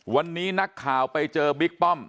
วันนี้นักข่าวไปเจอบิ๊กป้อม